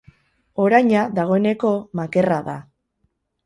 Oraina, dagoeneko, makerra da.